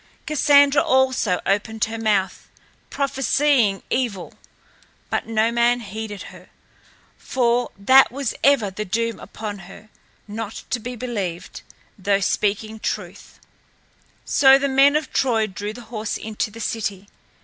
Cassandra also opened her mouth, prophesying evil; but no man heeded her, for that was ever the doom upon her, not to be believed, though speaking truth. So the men of Troy drew the horse into the city.